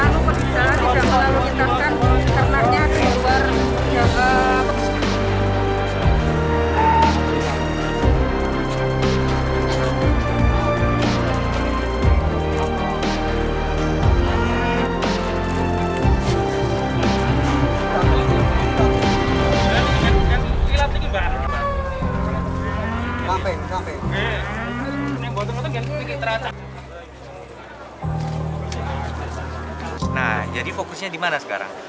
nah jadi fokusnya dimana sekarang